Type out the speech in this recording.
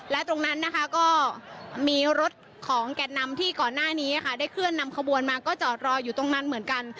และตรงนั้นนะคะก็มีรถของแก่นนำที่ก่อนหน้านี้ค่ะได้เคลื่อนนำขบวนมาก็จอดรออยู่ตรงนั้นเหมือนกัน